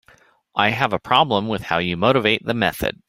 I have a problem with how you motivate the method.